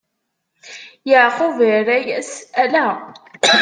Yeɛqub irra-yas: Ala!